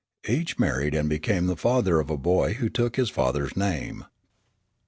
Each married and became the father of a boy who took his father's name.